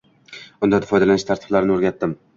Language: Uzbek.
Undan foydalanish tartiblarini oʻrgatdim.